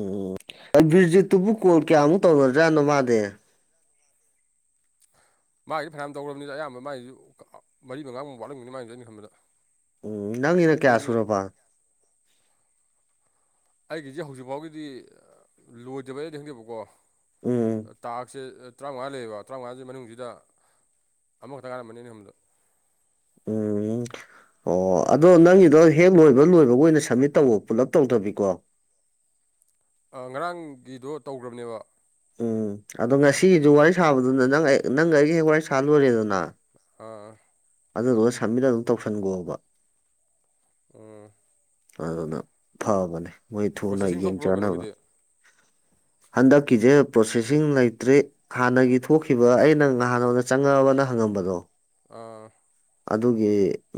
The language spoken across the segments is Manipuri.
ꯎꯝ ꯕꯤꯔꯖꯤꯠꯇꯨꯕꯨ ꯀꯣꯜ ꯀꯌꯥꯃꯨꯛ ꯇꯧꯔꯖꯥꯅꯣ ꯃꯥꯗ‌ꯦ ꯃꯥꯒꯤ ꯐꯅꯌꯥꯝ ꯇꯧꯔꯕꯅꯤꯅ ꯑꯌꯥꯝꯕ ꯃꯒꯤꯌꯨ ꯃꯔꯤ ꯃꯉꯥꯒꯨꯝꯕ ꯋꯥꯠꯂꯝꯅꯤ ꯃꯒꯤꯁꯨ ꯑꯩꯅ ꯈꯟꯕꯗ ꯎꯝ ꯅꯪꯒꯤꯅ ꯀꯌꯥ ꯑꯩꯁꯨ ꯁꯨꯔꯕ ꯑꯩꯒꯤꯁꯦ ꯍꯧꯖꯤꯛ ꯐꯥꯎꯒꯤꯗꯤ ꯂꯣꯏꯗꯕ ꯌꯥꯗꯤ ꯈꯪꯗꯦꯕꯀꯣ ꯎꯝ ꯇꯥꯛꯁꯦ ꯇꯔꯥꯃꯉꯥ ꯂꯩꯌꯦꯕ ꯇꯔꯥꯝꯉꯥꯥ ꯖ‌ꯦ ꯃꯅꯨꯡꯖꯤꯗ ꯑꯃꯈꯛꯇ ꯉꯥꯏꯔꯝꯃꯅꯤ ꯑꯅꯤ ꯑꯍꯨꯝ ꯖꯤꯗ ꯎꯝ ꯑꯣ ꯑꯗꯣ ꯅꯪꯒꯤꯗꯣ ꯍꯦꯛ ꯂꯣꯏꯕ ꯂꯣꯏꯕꯒ ꯑꯣꯏꯅ ꯁꯝꯃꯤꯠ ꯇꯧꯑ‌ꯣ ꯄꯨꯂꯞ ꯇꯧꯗꯕꯤꯀꯣ ꯑꯩ ꯉꯔꯥꯡꯒꯤꯗꯣ ꯇꯧꯒꯔꯝꯅꯦꯕ ꯎꯝ ꯑꯗꯣ ꯉꯁꯤꯒꯤꯁꯨ ꯋꯥꯔꯤ ꯁꯥꯕꯗꯨꯅ ꯅꯪ ꯅꯪꯒ ꯑꯩꯒ ꯍꯦꯛ ꯋꯥꯔꯤ ꯁꯥ ‌ꯂ‌ꯣꯏꯔꯦꯗꯅ ꯑꯥ ꯑꯗꯨꯗꯨꯒ ꯁꯃꯤꯠ ꯑꯗꯨꯝ ꯇꯧꯁꯟꯒ‌ꯣꯕ ꯎꯝ ꯑꯗꯨꯅ ꯐꯕꯅꯦ ꯃꯣꯏ ꯊꯨꯅ ꯄ꯭ꯔꯣꯁꯦꯁꯤꯡ ꯌꯦꯡ ꯊꯣꯛꯄ꯭ꯔꯣ ꯖꯅꯕ ꯀꯩꯅꯣꯒꯤꯗꯤ ꯍꯟꯗꯛꯀꯤꯁꯦ ꯄ꯭ꯔꯣꯁꯦꯁꯤꯡ ꯂꯩꯇ꯭ꯔꯤ ꯍꯥꯟꯅꯒꯤ ꯊꯣꯛꯈꯤꯕ ꯑꯩꯅ ꯅꯍꯥꯟ ꯅꯉꯣꯟꯗ ꯆꯪꯉꯛꯑꯕꯅ ꯍꯪꯉꯝꯕꯗꯣ ꯑꯥ ꯑꯗꯨꯒꯤ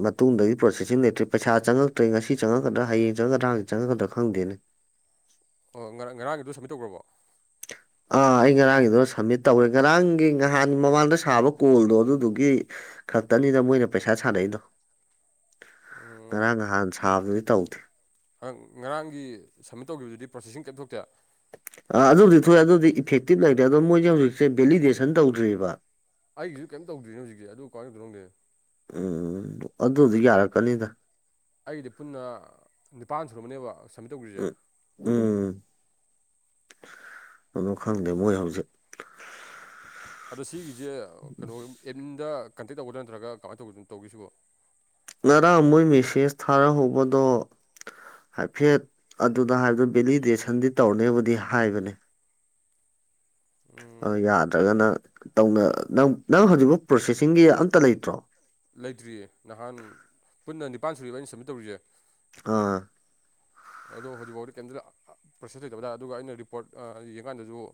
ꯃꯇꯨꯡꯗꯒꯤ ꯄ꯭ꯔꯣꯁꯦꯁꯤꯡ ꯂꯩꯇ꯭ꯦ ꯄꯩꯁꯥ ꯆꯪꯉꯛꯇ꯭ꯔꯦ ꯉꯁꯤ ꯆꯪꯉꯛꯀꯗ꯭ꯔꯥ ꯍꯌꯦꯡ ꯆꯪꯉꯒꯗ꯭ꯔꯥ ꯍ‍ꯦ ꯆꯪꯉꯛꯀꯗꯔꯥ ꯈꯪꯗꯦꯅꯦ ꯑꯣ ꯉꯔꯥꯡ ꯉꯔꯥꯡꯒꯤꯗꯣ ꯁꯃꯤꯠ ꯇꯧ꯭ꯔꯔꯕꯣ ꯑꯥ ꯑꯩ ꯉꯔꯥꯡꯒꯤꯗꯨ ꯁꯝꯃꯤꯠ ꯇꯧꯋꯦ ꯉꯔꯥꯡꯒꯤ ꯅꯍꯥꯟ ꯃꯃꯥꯡꯗ ꯁꯥꯕ ꯀꯣꯜꯗꯣ ꯑꯗꯨꯗꯨꯒꯤ ꯈꯛꯇꯅꯤꯗ ꯃꯣꯏꯅ ꯄꯩꯁꯥ ꯁꯥꯟꯅꯩꯗꯣ ꯎꯝ ꯉꯔꯥꯡ ꯅꯍꯥꯟ ꯁꯥꯕꯗꯨꯗꯤ ꯇꯧꯗꯦ ꯉꯔꯥꯡꯒꯤ ꯁꯝꯃꯤꯠ ꯇꯧꯈꯤꯕꯗꯨꯗꯤ ꯄ꯭ꯔꯣꯁꯦꯁꯤꯡ ꯀꯩꯝ ꯊꯣꯛꯇꯦ ꯑ ꯑꯗꯨꯕꯨꯗꯤ ꯊꯣꯛꯑꯦ ꯑꯗꯨꯗꯤ ꯏꯐꯦꯛꯇꯤꯞ ꯂꯩꯇ꯭ꯔꯦ ꯑꯗꯣ ꯃꯣꯏꯁꯦ ꯍꯧꯖꯤꯛꯁꯦ ꯚꯦꯂꯤꯗꯦꯁꯟ ꯇꯧꯗ꯭ꯔꯤꯕ ꯑꯩꯒꯤꯁꯨ ꯀꯩꯝ ꯇꯧꯗꯔꯤꯅꯦ ꯍꯧꯖꯤꯛꯁꯦ ꯑꯗꯨ ꯀꯥꯃꯥꯏ ꯇꯧꯗꯣꯏꯅꯣ ꯈꯪꯗꯦ ꯎꯝ ꯑꯗꯨꯗꯤ ꯌꯥꯔꯛꯀꯅꯤꯗ ꯑꯩꯒꯤꯗꯤ ꯄꯨꯟꯅ ꯅꯤꯄꯥꯟ ꯁꯨꯔꯝꯃꯅꯦꯕ ꯁꯝꯃꯤꯠ ꯇꯧꯒꯔꯤꯖꯦ ꯎꯝ ꯎꯝ ꯑꯗꯨ ꯈꯪꯗꯦ ꯃꯣꯏ ꯍꯧꯖꯤꯛ ꯑꯗꯣ ꯁꯤꯒꯤꯖꯦ ꯀꯩꯅꯣ ꯑꯦꯠꯃꯤꯟꯗ ꯀꯟꯇꯦꯛ ꯇꯧꯒꯗ꯭ꯔꯥ ꯅꯠꯇ꯭ꯔꯒ ꯀꯃꯥꯏꯅ ꯇꯧꯒꯅꯣ ꯇꯧꯒꯦꯁꯤꯕꯣ ꯉꯔꯥꯡ ꯃꯣꯏ ꯃꯦꯁꯦꯖ ꯊꯥꯔꯛꯍꯧꯕꯗꯣ ꯍꯥꯏꯐꯦꯠ ꯑꯗꯨꯗ ꯍꯥꯏꯕꯗꯨ ꯚꯦꯂꯤꯗꯦꯁꯟꯗꯤ ꯇꯧꯅꯦꯕꯨꯗꯤ ꯍꯥꯏꯕꯅꯤ ꯎꯝ ꯌꯥꯗ꯭ꯔꯒꯅ ꯇꯧꯅ ꯅꯪ-ꯅꯪ ꯍꯧꯖꯤꯛꯕꯨꯛ ꯄ꯭ꯔꯣꯁꯦꯁꯤꯡꯒꯤ ꯑꯝꯇ ꯂꯩꯇ꯭ꯔꯣ ꯂꯩꯇ꯭ꯔꯤꯌꯦ ꯅꯍꯥꯟ ꯄꯨꯟꯅ ꯅꯤꯄꯥꯟ ꯁꯨꯔꯤꯕ ꯑꯩꯅ ꯁꯝꯃꯤꯠ ꯇꯧꯔꯤꯖꯦ ꯑꯥ ꯑꯗꯣ ꯍꯧꯖꯤꯛꯕꯥꯎꯗꯤ ꯀꯩꯝꯇ ꯄꯔꫭꯁꯦꯁ ꯂꯩꯇꯕꯗ ꯑꯗꯨꯒ ꯑꯩꯅ ꯔꯤꯄꯣꯔꯠ ꯌꯦꯡꯀꯥꯟꯗꯖꯨ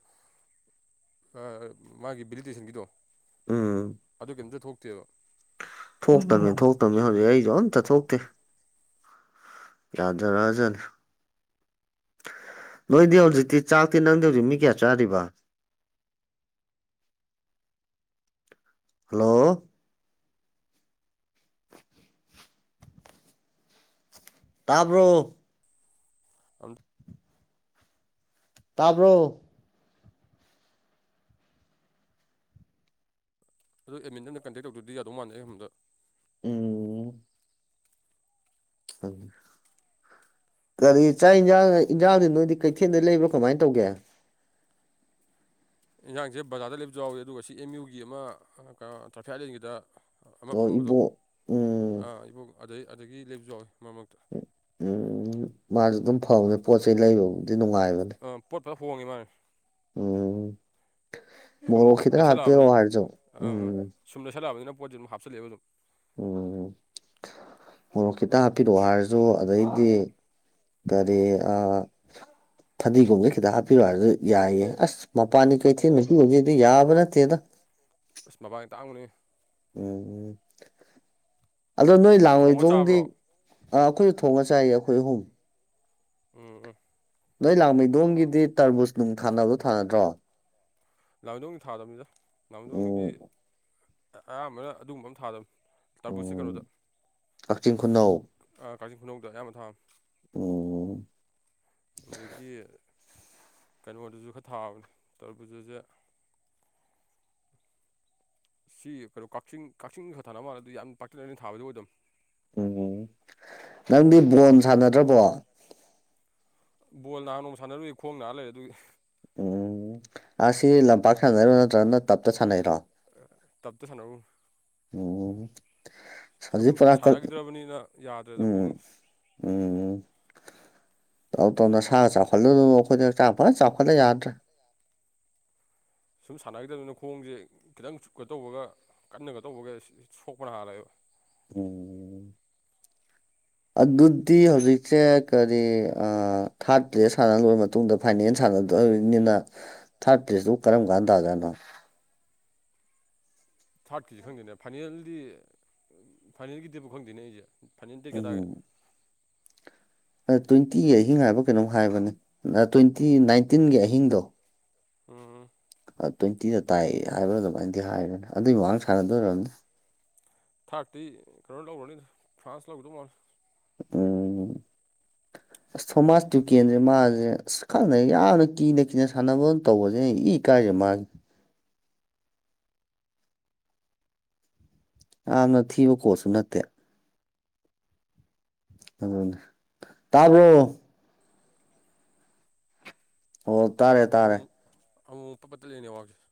ꯑꯥ ꯃꯥꯒꯤ ꯚꯦꯂꯤꯗꯦꯁꯟꯒꯤꯗꯣ ꯑꯗꯨ ꯀꯩꯝꯇ ꯊꯣꯛꯇꯦꯕ ꯊꯣꯛꯇꯃꯦ ꯊꯣꯛꯇꯝꯅꯦ ꯍꯧꯖꯤꯛ ꯑꯩꯁꯨ ꯑꯝꯇ ꯊꯣꯛꯇꯦ ꯌꯖꯥꯔꯛꯑꯖꯅꯤ ꯅꯣꯏꯗꯤ ꯍꯧꯖꯤꯛꯇꯤ ꯆꯥꯛꯇꯤ ꯅꯪꯗꯤ ꯍꯧꯖꯤꯛ ꯃꯤ ꯀꯌꯥ ꯆꯥꯔꯤꯕ ꯍꯜꯂꯣ ꯇꯥꯕ꯭ꯔꯣ ꯑꯝ ꯇꯥꯕ꯭ꯔꯣ ꯑꯗꯨ ꯑꯦꯠꯃꯤꯟꯗ ꯑꯃ ꯀꯟꯇꯦꯛ ꯇꯧꯗꯔ꯭ꯗꯤ ꯌꯥꯗꯧ ꯃꯥꯟꯗꯦ ꯑꯩꯅ ꯈꯟꯕꯗꯥ ꯎꯝ ꯎꯝ [unintelligible] ꯒꯥꯔꯤ ꯆꯥꯛ ꯌꯦꯟꯖꯥꯡ ꯏꯟꯖꯥꯡꯗꯤ ꯅꯣꯏꯗꯤ ꯀꯩꯊꯦꯜꯗꯩ ꯂꯩꯕ꯭ꯔꯣ ꯀꯃꯥꯏ ꯇꯧꯒꯦ ꯌꯦꯟꯖꯥꯡꯖꯦ ꯕꯖꯥꯔꯗꯩ ꯂꯩꯕꯖꯨ ꯌꯥꯎꯋꯦ ꯑꯗꯨꯒ ꯁꯤ ꯑꯦꯝ ꯌꯨꯒꯤ ꯑꯃ ꯀ ꯇ꯭ꯔꯥꯐꯤꯛ ꯑꯥꯏꯂꯦꯟꯒꯤꯗ ꯑꯃ ꯑꯣ ꯐꯝꯕꯗꯣꯥ ꯏꯕꯣꯛ ꯎꯝ ꯏꯕꯣꯛ ꯑꯗꯩ ꯑꯗꯒꯤ ꯂꯩꯕꯖꯨ ꯌꯥꯎꯋꯦ ꯃꯔꯛ-ꯃꯔꯛꯇ ꯎꯝ ꯃꯥꯁꯨ ꯑꯗꯨꯝ ꯐꯕꯅꯤ ꯄꯣꯠ ꯆꯩꯩ ꯂꯩꯕꯕꯨꯗꯤ ꯅꯨꯡꯉꯥꯏꯕꯅꯤ ꯄꯣꯠꯄ ꯍꯣꯡꯉꯤ ꯃꯥꯅꯤ ꯎꯝ ꯁꯨꯝ ꯃꯣꯔꫭꯛ ꯈꯤꯇ ꯂꯩꯁꯜꯂꯛꯑꯕꯅꯤ ꯍꯥꯞꯄꯤꯔꯛꯑꫭ ꯍꯥꯏꯔꯖꯨ ꯑꯥ ꯎꯝ ꯁꯨꯝ ꯂꯩꯁꯜꯂꯛꯕꯅꯤꯅ ꯄꯣꯠꯁꯦ ꯑꯗꯨꯝ ꯍꯥꯞꯆꯜꯂꯦꯕ ꯑꯗꯨꯝ ꯎꯝ ꯃꯣꯔꯣꯛ ꯈꯤꯇ ꯍꯥꯞꯄꯤꯔꯛꯑꯣ ꯍꯥꯏꯔꯖꯨ ꯑꯗꯩꯗꯤ ꯀꯔꯤ ꯐꯗꯤꯒꫭꯝꯖꯨ ꯈꯤꯇ ꯍꯥꯞꯄꯤꯔꯣ ꯍꯥꯏꯔꯖꯨ ꯌꯥꯏꯌꯦ ꯑꯁ ꯃꯄꯥꯟꯅꯤ ꯀꯩꯊꯦꯜ ꯅꯨꯄꯤ ꯍꯧꯖꯤꯛꯇꯤ ꯌꯥꯕ ꯅꯠꯇꯦꯗ ꯑꯁ ꯃꯄꯥꯟꯗꯤ ꯇꯥꯡꯕꯅꯤꯍꯦ ꯎꯝ-ꯎꯝ ꯑꯗꯨ ꯅꯣꯏ ꯊꯣꯡꯉ ꯂꯥꯡꯃꯩꯗꯣꯡꯗꯤ ꯆꯥꯕ꯭ꯔꯣ ꯑꯥ ꯑꯩꯈꯣꯏꯁꯨ ꯊꯣꯡꯉꯒ ꯆꯥꯏꯌꯦ ꯑꯩꯈꯣꯏ ꯑꯍꯨꯝ ꯎꯝ-ꯎꯝ ꯅꯣꯏ ꯂꯥꯡꯃꯩꯗꯣꯡꯒꯤꯗꯤ ꯇꯔꯕꯨꯖ ꯅꯨꯡ ꯊꯥꯅꯕꯗꯣ ꯊꯥꯅꯗ꯭ꯔꯣ ꯂꯥꯥꯡꯃꯩꯗꯣꯡꯒꯤ ꯊꯥꯗꯕꯅꯤꯗ ꯂꯥꯡꯃꯩꯗꯣꯡꯒꯤꯗꯤ ꯎꯝ ꯑꯌꯥꯝꯕꯅ ꯑꯗꯨꯒꯨꯝꯕ ꯑꯝ ꯊꯥꯗꯕꯅꯤ ꯇꯔꯕꯨꯁꯁꯦ ꯎꯝ ꯀꯛꯆꯤꯡ ꯈꯨꯅꯧ ꯑꯥ ꯀꯛꯆꯤꯡ ꯈꯨꯅꯧꯗ ꯑꯌꯥꯝꯕ ꯊꯥꯕ ꯎꯝ ꯑꯗꯒꯤ ꯀꯩꯅꯣꯗꯖꯨ ꯈꯔ ꯊꯥꯕꯅꯦ ꯇꯔꯕꯨꯖꯖꯦ ꯁꯤ ꯀꯩꯅꯣ ꯀꯛꯆꯤꯡ-ꯀꯛꯆꯤꯡ ꯈꯔ ꯊꯥꯅꯕ ꯃꯥꯜꯂꯤ ꯌꯥꯝ ꯄꯥꯛꯇꯛꯅꯅ ꯊꯥꯕꯗꯤ ꯑꯣꯏꯗꯝꯅꯦ ꯎꯝ ꯅꯪꯗꯤ ꯕꯣꯟ ꯁꯥꯟꯅꯗ꯭ꯔꯕꯣ ꯕꯣꯟ ꯅꯍꯥꯟ ꯅꯣꯡꯃ ꯁꯥꯟꯅꯔꯨꯏ ꯈꯣꯡ ꯅꯥ ꯂꯩꯔꯦ ꯑꯗꯨꯒꯤ ꯎꯝ ꯑꯁꯤ ꯂꯝꯄꯥꯛ ꯁꯥꯟꯅꯩꯔꯣ ꯅꯠꯇ꯭ꯔꯒ ꯅꫭꯏ ꯇꯞꯇ ꯁꯥꯟꯅꯩꯔꯣ ꯇꯞꯇ ꯁꯥꯅꯧꯔꯣ ꯑꯣ ꯁꯨꯝ ꯁꯥꯟꯅꯈꯤꯗ꯭ꯔꯕꯅꯤꯅ ꯌꯥꯗ꯭ꯔꯦꯗ ꯈꯣꯡꯁꯦ ꯎꯝ ꯎꯝ ꯇꯧ ꯇꯧꯅ ꯁꯥꯒ ꯆꯥꯎꯈꯠꯂꯨꯅꯨ ꯑꯩꯈꯣꯏꯗꯤ ꯍꯛꯆꯥꯡ ꯐꯖ ꯆꯥꯎꯈꯠꯂꯦ ꯌꯥꯗ꯭ꯔꯦ ꯁꯨꯝ ꯁꯥꯟꯅꯈꯤꯗꯕꯅꯤꯅ ꯈꯣꯡꯁꯦ ꯈꯤꯇꯪ ꯆꯨꯞꯀ ꯇꯧꯕꯒ ꯀꯟꯅꯒ ꯇꯧꯕꯒ ꯁꯣꯛꯄꯅ ꯍꯥꯜꯂꯦꯕ ꯎ ꯑꯗꯨꯗꯤ ꯍꯧꯖꯤꯛꯁꯦ ꯀꯔꯤ ꯑ ꯊꯥꯔꯠ ꯄ꯭ꯂꯦꯁ ꯁꯥꯟꯅ ꯂꯣꯏꯔꯕ ꯃꯇꯨꯡꯗ ꯐꯥꯏꯅꯦꯜ ꯁꯥꯟꯅꯗꯣꯢꯅꯤꯅ ꯊꯥꯔꯠ ꯄ꯭ꯂꯦꯖꯇꯨꯕꯣ ꯀꯔꯝ ꯀꯥꯟ ꯇꯥꯖꯥꯠꯅꯣ ꯊꯥꯔꯠꯀꯤꯁꯨ ꯈꯪꯗꯦꯅꯦ ꯐꯥꯏꯅꯦꯜꯗꯤ ꯐꯥꯏꯅꯦꯜꯒꯤꯗꯨꯕꯨꯛ ꯈꯪꯗꯦꯅꯦ ꯑꯩꯁꯦ ꯐꯥꯏꯅꯦꯜꯗꯤ ꯗꯦꯠ ꯀꯌꯥꯗ ꯇꯥꯒꯦ ꯎꯝ ꯇ꯭ꯋꯦꯟꯇꯤꯒꯤ ꯑꯍꯤꯡ ꯍꯥꯏꯕ꯭ꯔ ꯀꯩꯅꯣꯝ ꯍꯥꯏꯕꯅꯦ ꯇ꯭ꯋꯦꯟꯇꯤ ꯅꯥꯏꯟꯇꯤꯟꯒꯤ ꯑꯍꯤꯡꯗꯣ ꯎꯝ ꯇ꯭ꯋꯦꯟꯇꯤꯗ ꯇꯥꯏꯑ ꯍꯥꯏꯕ꯭ꯔꯣ ꯑꯗꯨꯃꯥꯏꯅꯗꯤ ꯍꯥꯏꯕꯅꯦ ꯑꯗꯨꯏ ꯃꯃꯥꯡ ꯁꯥꯟꯅꯗꯣꯏ ꯑꯣꯢꯔꯝꯅꯤ ꯊꯥꫪꯠꯇꯤ ꯀꯩꯅꯣ ꯂꯧꯒꯔꯅꯤꯗ ꯐ꯭ꯔꯥꯟꯁ ꯂꯧꯒꯗꯧ ꯃꯥꯜꯂꯦ ꯎꯝ ꯁꯣꯃꯥꯖ ꯇꯨꯀꯦꯟꯁꯦ ꯃꯥꯁꯦ ꯑꯁ ꯈꯪꯗꯦ ꯌꯥꯝꯅ ꯀꯤꯅ-ꯀꯤꯅ ꯁꯥꯟꯅꯕ ꯇꯧꯕꯁꯦ ꯏ ꯀꯥꯏꯁꯦ ꯃꯥꯁꯦ ꯌꯥꯝꯅ ꯊꯤꯕ ꯀꯣꯠꯁꯨ ꯅꯠꯇꯦ ꯑꯗꯨꯅꯦ ꯇꯥꯕꯔꯣ ꯑꯣ ꯇꯥꯔꯦ ꯇꯥꯔꯦ ꯑꯃꯨꯛ-ꯑꯃꯨꯛ ꯄꯠ-ꯄꯠ ꯇꯠꯂꯦ ꯅꯦꯇꯋꯥꫪꯛꯁꯦ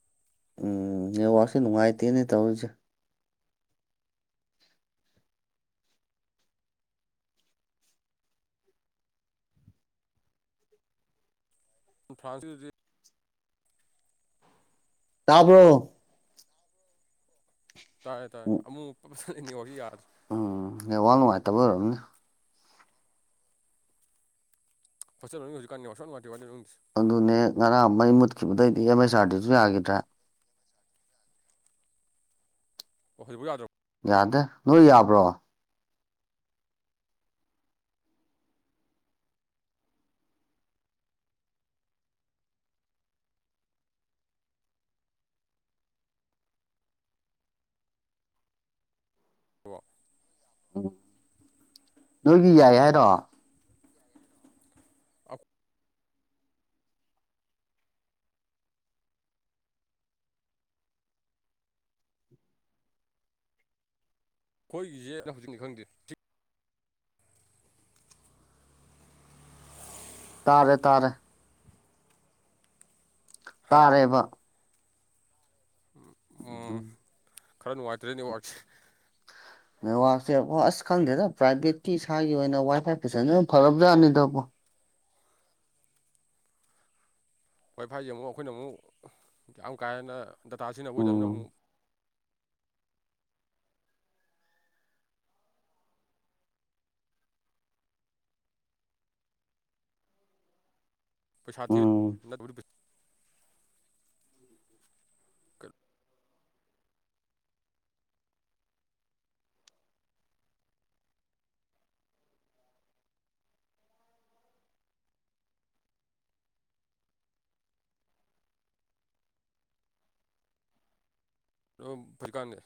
ꯎꯝ ꯅꯦꯡ ꯋꯥꯥꯛꯁꯦ ꯅꯨꯡꯉꯥꯏꯇꯦꯅꯦ ꯇꯧꯔꯤꯁꯦ ꯐ꯭ꯔꯥꯟ ꯇꯥꯕ꯭ꯔꯣ ꯇꯥꯔꯦ-ꯇꯥꯔꯦ ꯑꯃꯨꯛ-ꯃꯨꯛ ꯄꯠ-ꯄꯠ ꯇꯠꯂꯦ ꯅꯦꯠꯋꯥꫪꯛꯁꯦ ꯌꯥꯗ꯭ꯔꯦ ꯎꯝ ꯅꯦꯠꯋꯥꯛ ꯅꯨꯡꯉꯥꯏꯇꯕ ꯑꯣꯏꯔꯝꯅꯤ ꯍꯣꯁꯇꯦꯜ ꯃꯅꯨꯡ ꯍꯧꯖꯤꯛꯀꯥꯟ ꯅꯦꯠꯋꯥꯔꯛ ꯁꯨꯛꯅꯨꯡ ꯅꯨꯡꯉꯥꯏꯇꯦ ꯀꯃꯥꯏ ꯇꯧꯏꯅꯣ ꯈꯪꯗꯦ ꯑꯗꯨꯅꯦ ꯉꯔꯥꯡ ꯃꯩ ꯃꯨꯠꯈꯤꯕꯗꯩꯗꯤ ꯑꯦꯝ ꯑꯦꯁ ꯑꯥꯔꯗꯤꯁꯨ ꯌꯥꯈꯤꯗ꯭ꯔꯥ ꯍꯧꯖꯤꯛ ꯐꯥꯎ ꯌꯥꯗꯔꯣ ꯌꯥꯗꯦ ꯅꯣꯏ ꯌꯥꯕ꯭ꯔꯣ ꯎꯝ ꯅꯣꯏꯒꯤ ꯌꯥꯏ ꯍꯥꯏꯔꯣ ꯑꯩꯈꯣꯏꯒꯤꯁꯦ ꯍꯧꯖꯤꯛꯇꯤ ꯈꯪꯗꯦ ꯇꯥꯔꯦ ꯇꯥꯔꯦ ꯇꯥꯔꯦꯕ ꯎꯝ-ꯎꯝ ꯎꯝ ꯈꯔ ꯅꯨꯡꯉꯥꯏꯇ꯭ꯔꯦ ꯅꯦꯠꯋꯥꯛꯁꯦ ꯅꯦꯠꯋꯥꯛꯁꯦ ꯑꯁ ꯈꯪꯗꯦꯗ ꯄ꯭ꯔꯥꯏꯚꯦꯠꯀꯤ ꯏꯁꯥꯒꯤ ꯑꯣꯏꯅ ꯋꯥꯏ ꯐꯥꯏ ꯄꯁꯟ ꯐꯔꯕꯖꯥꯠꯅꯤꯗꯕꯣ ꯋꯥꯏ ꯐꯥꯏꯁꯦ ꯑꯃꯨꯛ ꯑꯩꯈꯣꯏꯅ ꯑꯃꯨꯛ ꯌꯥꯝ ꯀꯥ ꯍꯦꯟꯅ ꯗꯇꯥ ꯁꯤꯖꯤꯟꯅꯕ ꯑꯣꯏꯗꯕꯅꯤꯅ ꯎꯝ ꯑꯃꯨꯛ ꯄꯩꯁꯥꯊ ꯎꯝ ꯅ ꯎꯝ ꯑꯗꯨ ꯐꯨꯔꯤꯀꯥꯟꯅꯦ